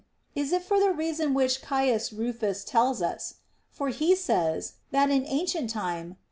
Is it for the reason which C. Rufus tells us ? For he says, that in ancient time, C.